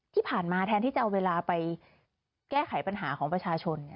ที่ผ่านมาแทนที่จะเอาเวลาไปแก้ไขปัญหาของประชาชน